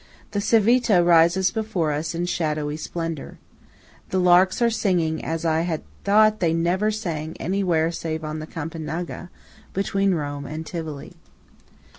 The Civita rises before us in shadowy splendour. The larks are singing as I had thought they never sang anywhere save on the Campagna between Rome and Tivoli.